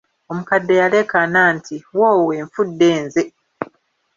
Omukadde yaleekaana nti:"woowe nfudde nze"